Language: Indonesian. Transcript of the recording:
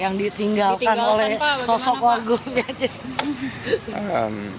yang ditinggalkan oleh sosok warga jakarta